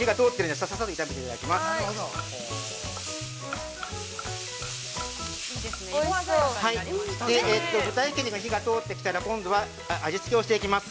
◆で、火が通ってきたら、今度は、味つけをしていきます。